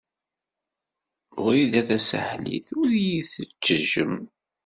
Wrida Tasaḥlit ur iyi-tettejjem.